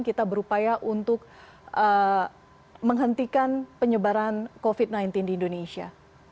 kita berupaya untuk menghentikan penyebaran covid sembilan belas di indonesia